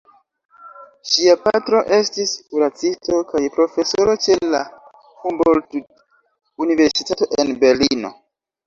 Ŝia patro estis kuracisto kaj profesoro ĉe la Humboldt-Universitato en Berlino.